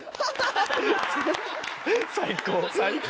最高。